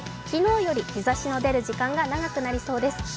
昨日より日ざしの出る時間が長くなりそうです。